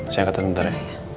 saya angkatnya bentar ya